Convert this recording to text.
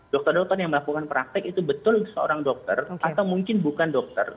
dokter dokter yang melakukan praktek itu betul seorang dokter atau mungkin bukan dokter